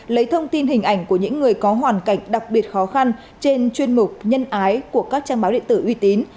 lấy thông tin hình ảnh của những người có hoàn cảnh đặc biệt khó khăn trên chuyên mục nhân ái của các trang báo điện tử uy tín